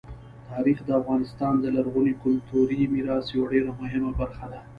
تاریخ د افغانستان د لرغوني کلتوري میراث یوه ډېره مهمه برخه ده.